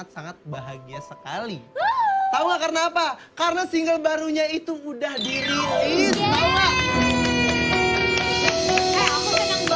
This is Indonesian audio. sangat bahagia sekali tahulah karena apa karena single barunya itu udah dirilis